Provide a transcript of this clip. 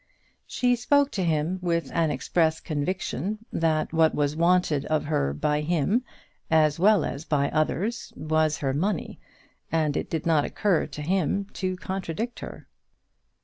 She spoke to him with an express conviction that what was wanted of her by him, as well as by others, was her money, and it did not occur to him to contradict her.